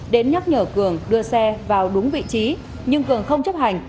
đến nhắc nhở cường đưa xe vào đúng vị trí nhưng cường không chấp hành